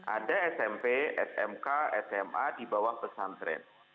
ada smp smk sma di bawah pesantren